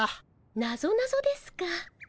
なぞなぞですか。